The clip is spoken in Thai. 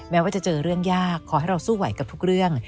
แม้ว่าจะเจอเรื่องยากขอให้เราสู้ไหวกับทุกเรื่อง